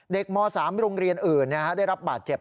ม๓โรงเรียนอื่นได้รับบาดเจ็บ